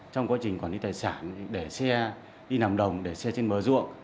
trong quá trình quản lý tài sản để xe đi nằm đồng để xe trên bờ ruộng